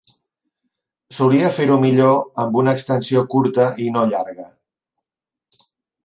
Solia fer-ho millor amb una extensió curta i no llarga.